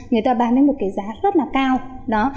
người ta bán đến một giá rất cao